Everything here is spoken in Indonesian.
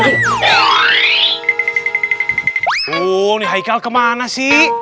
tuh ni haikal kemana sih